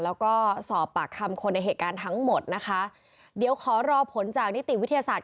แล้วก็สอบปากคำคนในเหตุการณ์ทั้งหมดนะคะเดี๋ยวขอรอผลจากนิติวิทยาศาสต